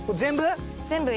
全部？